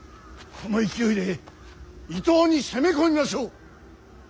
この勢いで伊東に攻め込みましょう。